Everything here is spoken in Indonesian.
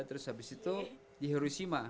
terus habis itu di hiroshima